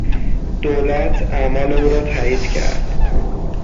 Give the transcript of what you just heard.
دولت اعمال او را تایید کرد.